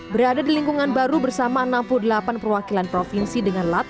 berada di lingkungan baru bersama enam puluh delapan perwakilan provinsi dengan latar